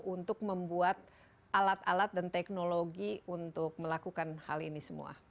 untuk membuat alat alat dan teknologi untuk melakukan hal ini semua